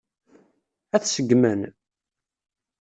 Ad t-seggmen?